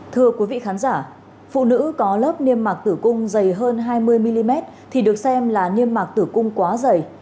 thưa quý vị khán giả phụ nữ có lớp niêm mạc tử cung dày hơn hai mươi mm thì được xem là niêm mạc tử cung quá dày